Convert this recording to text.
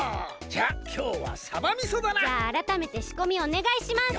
じゃああらためてしこみおねがいします。